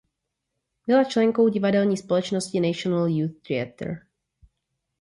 Byla členkou divadelní společnosti "National Youth Theatre".